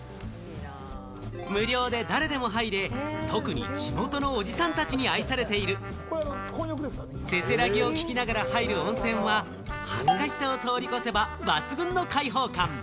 無料で誰でも入れ、特に地元のおじさんたちに愛されているせせらぎを聞きながら入る温泉は恥ずかしさを通り越せば抜群の開放感。